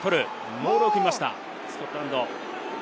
モールを組みました、スコットランド。